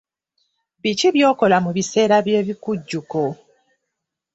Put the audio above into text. Biki by'okola mu biseera by'ebikujjuko?